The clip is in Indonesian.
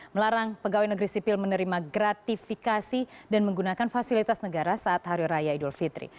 melarang pegawai negeri sipil menerima gratifikasi dan menggunakan fasilitas negara saat hari raya idul fitri